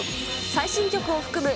最新曲を含む